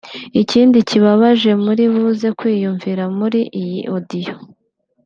Ikindi kibabaje muri buze kwiyumvira muri iyi audio